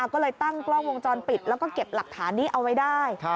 ก็เลยตั้งกล้องวงจรปิดแล้วก็เก็บหลักฐานนี้เอาไว้ได้